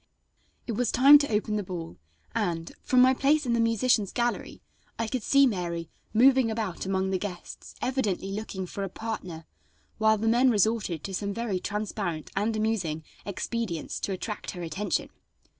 It was time to open the ball, and, from my place in the musicians' gallery, I could see Mary moving about among the guests, evidently looking for a partner, while the men resorted to some very transparent and amusing expedients to attract her attention.